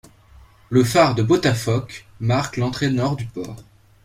Le phare de Botafoc marque l'entrée nord du port.